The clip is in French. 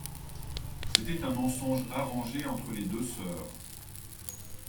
C'était un mensonge arrangé entre les deux soeurs.